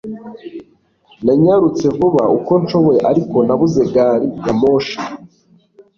Nanyarutse vuba uko nshoboye ariko nabuze gari ya moshi